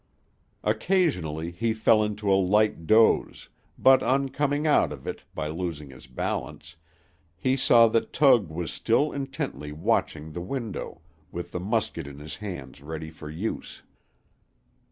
Occasionally he fell into a light doze, but on coming out of it, by losing his balance, he saw that Tug was still intently watching the window, with the musket in his hands ready for use.